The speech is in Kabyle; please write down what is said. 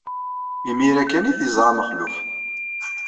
Imir-a kan ay t-yeẓra Mexluf.